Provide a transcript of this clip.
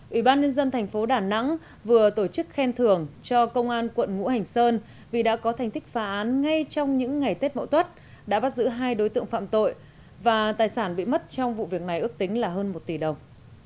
ủy ban nhân dân thành phố đà nẵng vừa tổ chức khen thưởng cho công an quận ngũ hành sơn vì đã có thành tích phá án ngay trong những ngày tết mậu tuất đã bắt giữ hai đối tượng phạm tội và tài sản bị mất trong vụ việc này ước tính là hơn một tỷ đồng